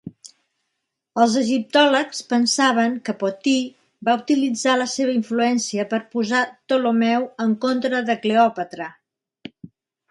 Els egiptòlegs pensaven que Potí va utilitzar la seva influència per posar Ptolemeu en contra de Cleòpatra.